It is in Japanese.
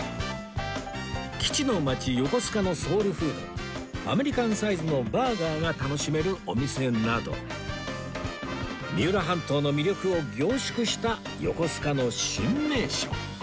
基地の街横須賀のソウルフードアメリカンサイズのバーガーが楽しめるお店など三浦半島の魅力を凝縮した横須賀の新名所